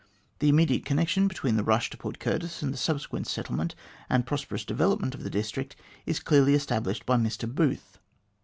The intimate connection between the rush to Port Curtis and the subsequent settlement and prosperous development of the district, is clearly established by Mr Booth.